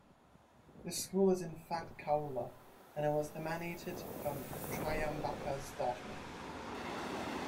This school is in fact Kaula, and it was emanated from "Trayambaka"'s daughter.